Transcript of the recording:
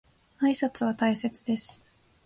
挨拶は大切です。